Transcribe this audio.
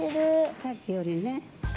さっきよりね。